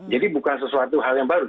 bukan sesuatu hal yang baru